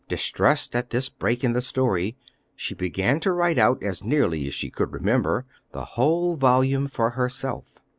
Distressed at this break in the story, she began to write out as nearly as she could remember, the whole volume for herself.